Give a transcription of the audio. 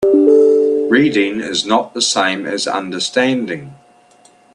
Reading is not the same as understanding.